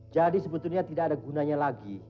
jadi sebetulnya tidak ada gunanya lagi